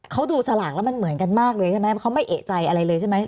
เขาดูสลากแล้วมันเหมือนกันมากเลยใช่ไหมเขาไม่เอกใจอะไรเลยใช่ไหม